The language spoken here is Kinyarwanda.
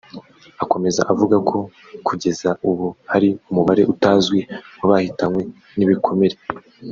Akomeza avuga ko kugeza ubu hari umubare utazwi w’abahitanwe n’ibikomere